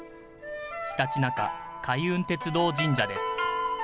ひたちなか開運鐡道神社です。